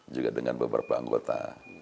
juga dengan beberapa anggota